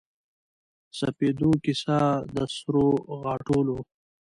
سپیدو کیسه د سروغاټولو